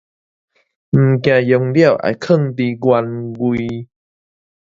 物件用了，愛囥蹛原位